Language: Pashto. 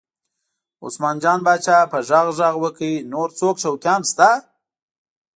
عثمان جان پاچا په غږ غږ وکړ نور څوک شوقیان شته؟